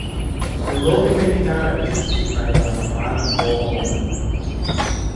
The love may be directed to either a man or a woman.